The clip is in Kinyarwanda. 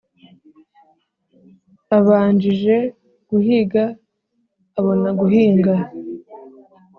Abanjije guhiga abona guhinga